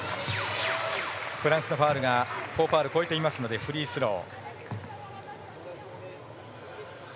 フランスのファウルが４ファウルを超えていますのでフリースロー。